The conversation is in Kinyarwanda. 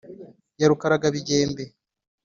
ya rukaragabigembe;